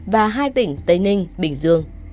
và hai tỉnh tây ninh bình dương